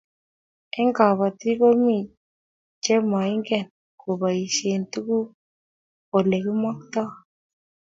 Eng'kabatik komi chema ingen kobaishe tuguk ole kimaktoi